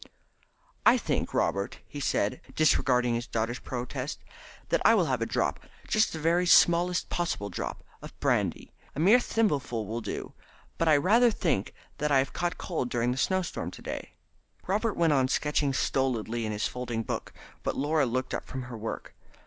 "I think, Robert," he said, disregarding his daughter's protest, "that I will have a drop, just the very smallest possible drop, of brandy. A mere thimbleful will do; but I rather think I have caught cold during the snowstorm to day." Robert went on sketching stolidly in his folding book, but Laura looked up from her work.